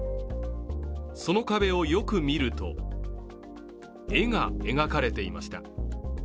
その壁をよく見ると、絵が描かれていました。